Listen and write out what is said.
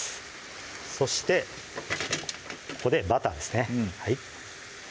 そしてここでバターですね